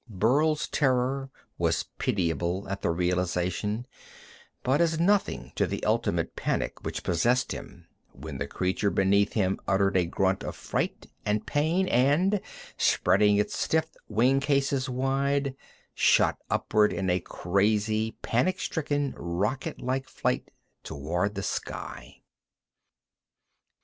Burl's terror was pitiable at the realization, but as nothing to the ultimate panic which possessed him when the creature beneath him uttered a grunt of fright and pain, and, spreading its stiff wing cases wide, shot upward in a crazy, panic stricken, rocket like flight toward the sky.